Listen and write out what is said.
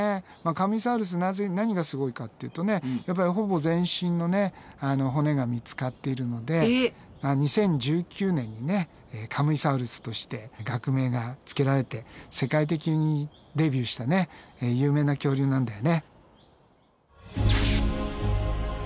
カムイサウルス何がすごいかっていうとねほぼ全身の骨が見つかってるので２０１９年にねカムイサウルスとして学名がつけられて世界的にデビューした有名な恐竜なんだよね。